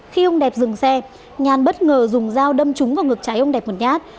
khi ông đẹp dừng xe nhàn bất ngờ dùng dao đâm trúng vào ngực trái ông đẹp một nhát